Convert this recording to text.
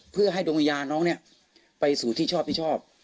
เพื่อให้ดงยาน้องไปสู่ที่ชอบ